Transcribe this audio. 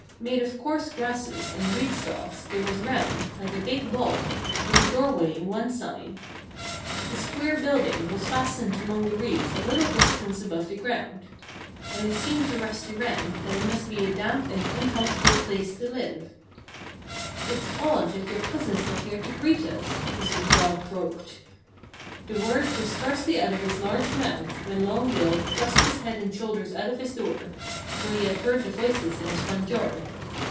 Made of coarse grasses and reed stalks, it was round, like a big ball, with a doorway in one side. This queer building was fastened among the reeds a little distance above the ground. And it seemed to Rusty Wren that it must be a damp and unhealthful place to live. "It's odd that your cousin's not here to greet us," Mr. Frog croaked. The words were scarcely out of his large mouth when Long Bill thrust his head and shoulders out of his door for he had heard the voices in his front yard.